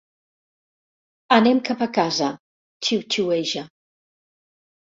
Anem cap a casa, xiuxiueja.